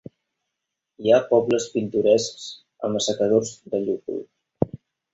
Hi ha pobles pintorescs amb assecadors de llúpol.